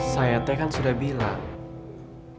saya t kan sudah bilang